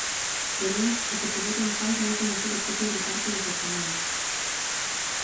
Porén, o que se bota en falta é coñecer o propio reparto dos orzamentos.